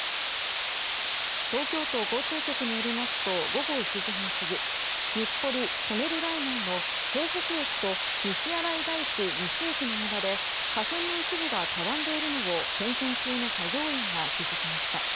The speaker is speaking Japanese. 東京都交通局によりますと午後１時半過ぎ日暮里・舎人ライナーの江北駅と西新井大師西駅の間で架線の一部がたわんでいるのを点検中の作業員が気づきました。